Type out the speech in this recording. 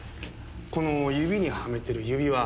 この指にはめてる指輪。